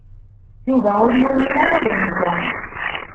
Yuba ur yumin ara Dahbiya.